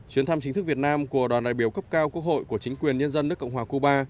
chuyến thăm chính thức việt nam của đoàn đại biểu cấp cao quốc hội của chính quyền nhân dân nước cộng hòa cuba